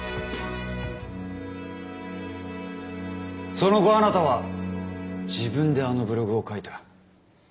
その後あなたは自分であのブログを書いた。